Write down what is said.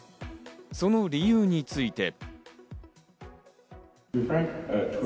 その理由について。